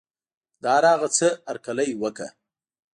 د هر هغه څه هرکلی وکړه.